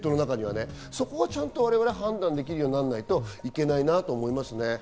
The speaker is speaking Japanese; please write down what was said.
そこをちゃんと我々が判断できるようにならないといけないなと思いますね。